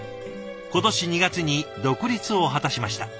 今年２月に独立を果たしました。